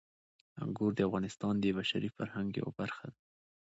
انګور د افغانستان د بشري فرهنګ یوه برخه ده.